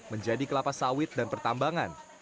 menjadi kelapa sawit dan pertambangan